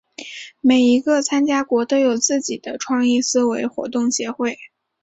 每一个参加国都有自己的创意思维活动协会。